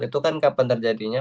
itu kan kapan terjadinya